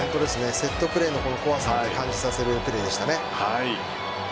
セットプレーの怖さを感じさせるプレーでした。